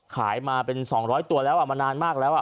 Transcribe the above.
ขายมาเป็น๒๐๐ตัวแล้วมานานมากแล้ว